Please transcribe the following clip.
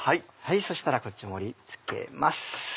そうしたらこっち盛り付けます。